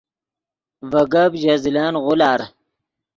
ڤے گپ ژے زلن غولار